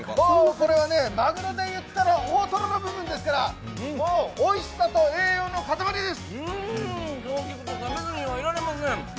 これはマグロでいったら大トロの部分ですからおいしさと栄養の塊です！